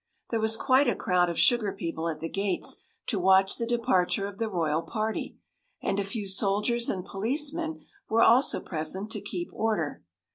There was quite a crowd of sugar people at the gates to watch the departure of the royal party, and a few soldiers and policemen were also present to keep order.